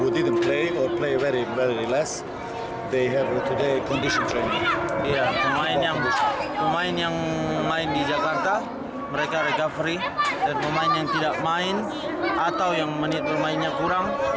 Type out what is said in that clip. tidak main atau yang menit bermainnya kurang